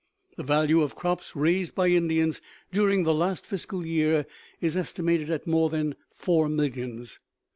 The value of crops raised by Indians during the last fiscal year is estimated at more than four millions.